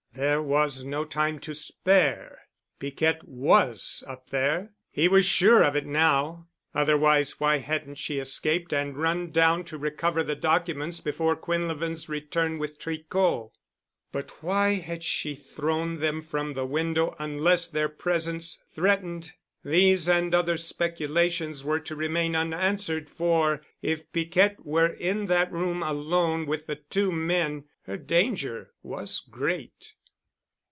There was no time to spare. Piquette was up there. He was sure of it now. Otherwise why hadn't she escaped and run down to recover the documents before Quinlevin's return with Tricot? But why had she thrown them from the window unless their presence threatened? These and other speculations were to remain unanswered, for if Piquette were in that room alone with the two men her danger was great.